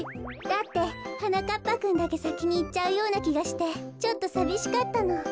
だってはなかっぱくんだけさきにいっちゃうようなきがしてちょっとさびしかったの。